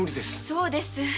そうです。